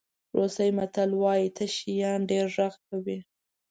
روسي متل وایي تش شیان ډېر غږ کوي.